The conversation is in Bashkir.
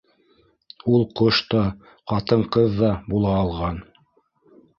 Ул ҡош та, ҡатын-ҡыҙ ҙа була алған.